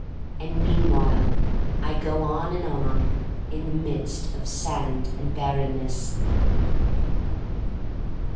And meanwhile I go on and on, in the midst of sand and barrenness.